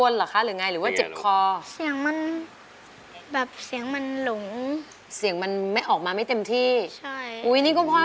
ถึงเก่าเต็มที่